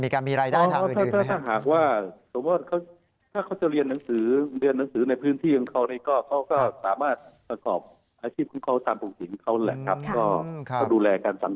ครับก็ดูแลการสัมพันธ์